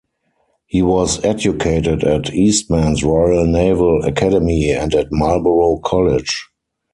He was educated at Eastman's Royal Naval Academy and at Marlborough College.